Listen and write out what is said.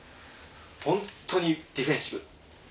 ホントにディフェンシブ。